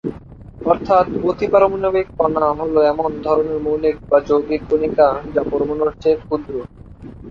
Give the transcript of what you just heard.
অর্থাৎ অতিপারমাণবিক কণিকা হলো এমন ধরনের মৌলিক বা যৌগিক কণিকা যা পরমাণুর চেয়ে ক্ষুদ্র।